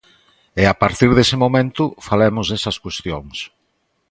E a partir dese momento, falemos desas cuestións.